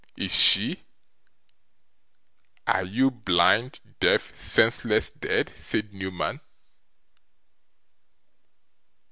Is she? Are you blind, deaf, senseless, dead?' said Newman.